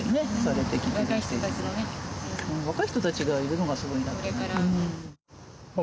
若い人たちがいるのがすごいなって思います。